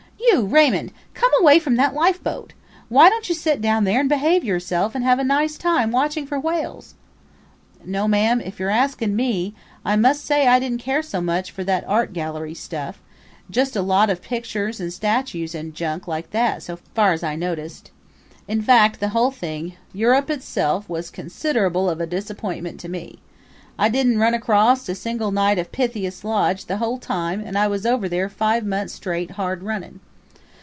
... "You Raymund, come away from that lifeboat. Why don't you sit down there and behave yourself and have a nice time watching for whales?" ... "No, ma'am, if you're askin' me I must say I didn't care so much for that art gallery stuff jest a lot of pictures and statues and junk like that, so far as I noticed. In fact the whole thing Yurupp itself was considerable of a disappointment to me. I didn't run acros't a single Knights of Pythias Lodge the whole time and I was over there five months straight hard runnin'." ...